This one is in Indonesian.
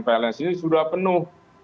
pln sini sudah penuh